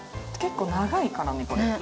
結構長いからね